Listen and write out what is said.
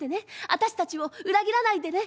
私たちを裏切らないでね。